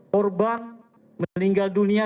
korban meninggal dunia